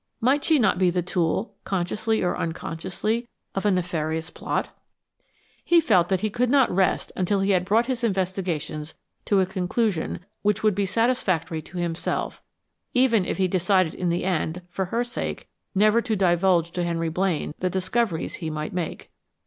Might she not be the tool, consciously or unconsciously, of a nefarious plot? He felt that he could not rest until he had brought his investigations to a conclusion which would be satisfactory to himself, even if he decided in the end, for her sake, never to divulge to Henry Blaine the discoveries he might make.